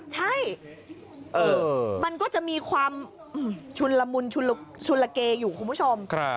ใช่มันก็จะมีความชุนละมุนชุนละเกอยู่คุณผู้ชม